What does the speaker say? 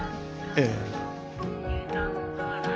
ええ。